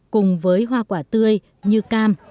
cùng với hoa quả tươi như cam